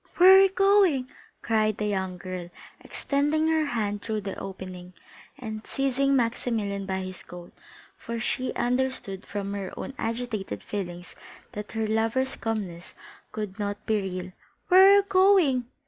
"Where are you going?" cried the young girl, extending her hand through the opening, and seizing Maximilian by his coat, for she understood from her own agitated feelings that her lover's calmness could not be real; "where are you going?"